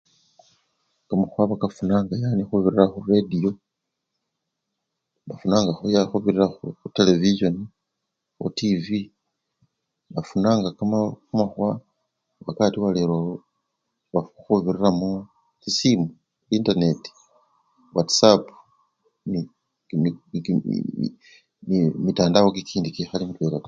Kamakhuwa khukafunanga yani khubirira khuretiyo, bafunanga khubirira khutelefisioni-khutivi, bafunanga kama-kamakhuwa wakati walelo khubirira muchisiimu, intaneti, watisapu nende kimi-mi-mi kimitandawo kikindi kikhali mitwela taa.